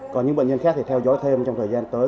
còn những bệnh nhân khác thì theo dõi thêm trong thời gian tới